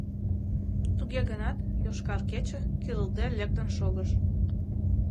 Туге гынат «Йошкар кече» кӱрылтде лектын шогыш.